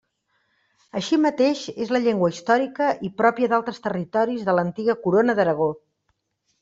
Així mateix és la llengua històrica i pròpia d'altres territoris de l'antiga Corona d'Aragó.